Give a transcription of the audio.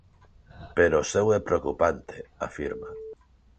"Pero o seu é preocupante", afirma.